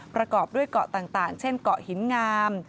ประกอบด้วยเกาะต่างเช่นเกาะหินงาม